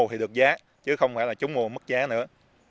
trúng mù được giá chứ không phải là trúng mù mất giá nữa